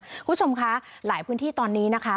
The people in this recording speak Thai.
คุณผู้ชมคะหลายพื้นที่ตอนนี้นะคะ